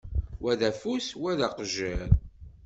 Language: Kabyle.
Wa d afus, wa d aqejjiṛ.